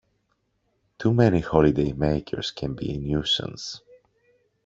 Too many holidaymakers can be a nuisance